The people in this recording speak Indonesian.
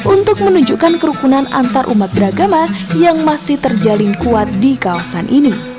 untuk menunjukkan kerukunan antarumat beragama yang masih terjalin kuat di kawasan ini